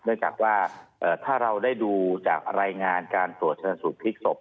เนื่องจากว่าถ้าเราได้ดูจากรายงานการตรวจชนสูตรพลิกศพ